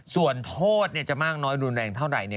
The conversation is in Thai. ส่วนโทษจะมากน้อยรุนแรงเท่าไหร่